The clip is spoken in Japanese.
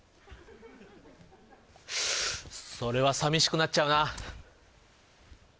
それは寂しくなっちゃうな